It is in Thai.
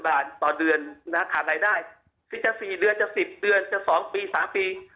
๕๑๐๐๐บาทต่อเดือนขาบรายได้เท่าที่จะซีเป็นหรือจะ๑๐เดือนถึงว่า๒ปี๓ปี